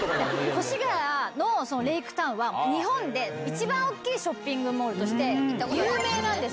越谷のレイクタウンは、日本で一番大きいショッピングモールとして有名なんです。